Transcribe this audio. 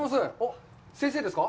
先生ですか？